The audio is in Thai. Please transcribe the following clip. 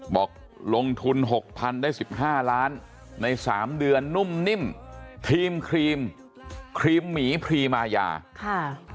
บอกลงทุน๖๐๐๐ได้๑๕ล้านใน๓เดือนนุ่มนิ่มทีมครีมครีมหมีพรีมายาค่ะ